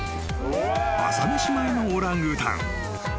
［朝飯前のオランウータン］